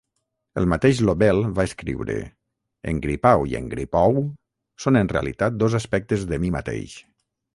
El mateix Lobel va escriure: "En Gripau i en Gripou són en realitat són dos aspectes de mi mateix".